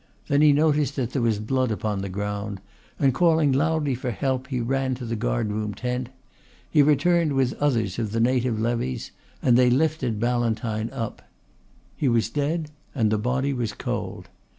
Then he noticed that there was blood upon the ground, and calling loudly for help he ran to the guard room tent. He returned with others of the native levies and they lifted Ballantyne up. He was dead and the body was cold.